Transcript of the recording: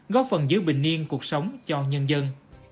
góp phần giữ bình niên cuộc sống cho nhân dân